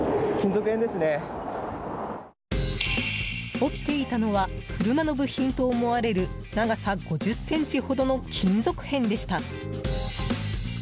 落ちていたのは車の部品と思われる長さ５０ｃｍほどの金属片でした。